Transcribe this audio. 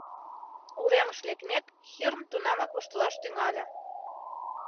Уремыш лекмек, Хирм тунамак воштылаш тӱҥале: